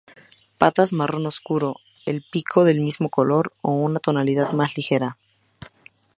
Patas marrón oscuro, el pico del mismo color o de una tonalidad más ligera.